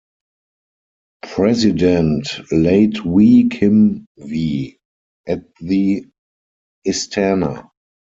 President Late Wee Kim Wee at the Istana.